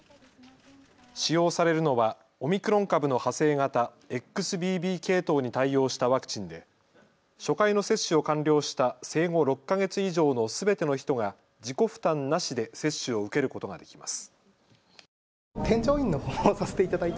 使用されるのはオミクロン株の派生型、ＸＢＢ系統に対応したワクチンで初回の接種を完了した生後６か月以上のすべての人が自己負担なしで接種を受けることができます。